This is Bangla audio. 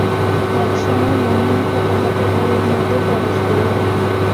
এই সময় মহিম হুঁকা হাতে ঘরের মধ্যে প্রবেশ করিলেন।